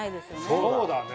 そうだね。